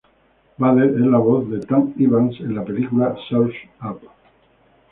Bader es la voz de Tank Evans en la película "Surf's Up".